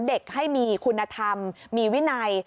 เด็กให้มีคุณธรรมมีวินัย